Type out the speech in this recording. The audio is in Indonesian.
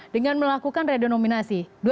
dengan melakukan redenominasi